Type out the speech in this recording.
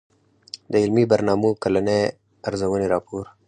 د علمي برنامو کلنۍ ارزوني راپور